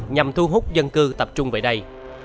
nhằm thu hút dân cư tập trung về đây